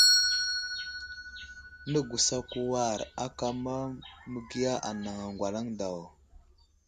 Nəgusako war aka ma məgiya anaŋ aŋgwalaŋ daw.